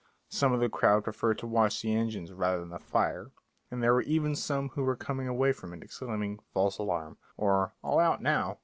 Some of the crowd preferred to watch the engines rather than the fire, and there were even some who were coming away from it, exclaiming "false alarm" or "all out now."